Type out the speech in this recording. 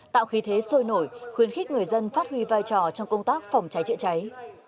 tạo khí thế sôi nổi khuyến khích người dân phát huy vai trò trong công tác phòng cháy chữa cháy